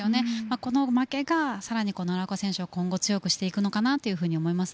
この負けがさらに奈良岡選手を強くしていくのかなと思います。